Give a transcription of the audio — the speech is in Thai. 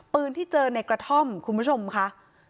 ปืนที่เจอในกระท่อมคุณผู้ชมค่ะ